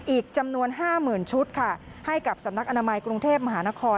อีกจำนวน๕๐๐๐ชุดค่ะให้กับสำนักอนามัยกรุงเทพมหานคร